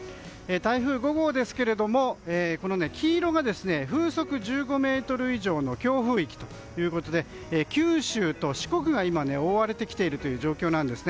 台風５号ですけれども黄色が、風速１５メートル以上の強風域ということで九州と四国が今覆われてきている状況です。